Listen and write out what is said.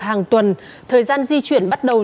hàng tuần thời gian di chuyển bắt đầu